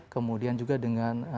kemudian juga dengan